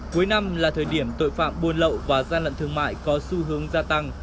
cuối năm là thời điểm tội phạm buôn lậu và gian lận thương mại có xu hướng gia tăng